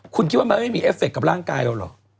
คุณคิดว่ามันไม่มีเอฟเคกับร่างกายเราเหรอ